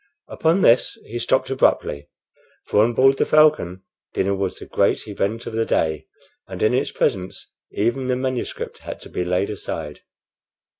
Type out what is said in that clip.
Upon this he stopped abruptly; for on board the Falcon dinner was the great event of the day, and in its presence even the manuscript had to be laid aside.